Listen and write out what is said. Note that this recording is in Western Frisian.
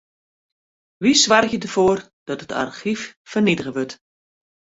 Wy soargje derfoar dat it argyf ferneatige wurdt.